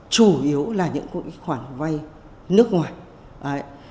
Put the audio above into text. chủ yếu là những cái khoản vay nước ngoài